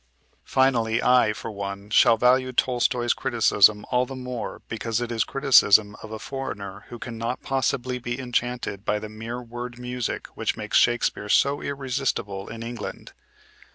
Finally, I, for one, shall value Tolstoy's criticism all the more because it is criticism of a foreigner who can not possibly be enchanted by the mere word music which makes Shakespeare so irresistible in England.